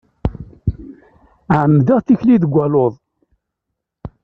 Ɛemmdeɣ tikli deg aluḍ.